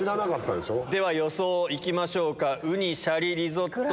では予想行きましょうか。